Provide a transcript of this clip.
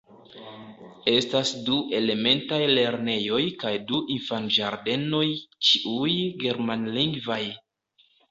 Estas du elementaj lernejoj kaj du infanĝardenoj, ĉiuj germanlingvaj.